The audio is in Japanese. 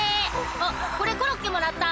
あっこれコロッケもらった。